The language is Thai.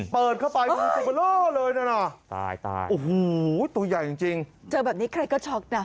เปิดเข้าไปงูตกไปเล่าเลยน่ะน่ะตายตายโอ้โหตัวใหญ่จริงเจอแบบนี้ใครก็ช็อคนะ